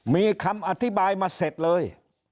มีคำอธิบายมาเสร็จเลย